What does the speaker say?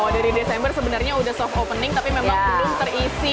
dari desember sebenarnya udah shop opening tapi memang belum terisi seratus